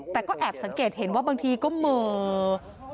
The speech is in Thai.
แต่ก็แอบสังเกตเห็นว่าบางทีก็เหม่อ